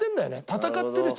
戦ってる人なの。